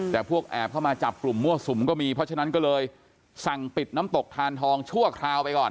แต่พวกแอบเข้ามาจับกลุ่มมั่วสุมก็มีเพราะฉะนั้นก็เลยสั่งปิดน้ำตกทานทองชั่วคราวไปก่อน